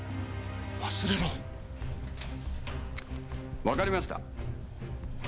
「忘れろ」「分かりました」